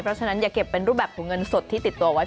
เพราะฉะนั้นอย่าเก็บเป็นรูปแบบของเงินสดที่ติดตัวไว้